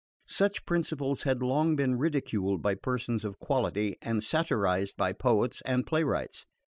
Such principles had long been ridiculed by persons of quality and satirised by poets and playwrights.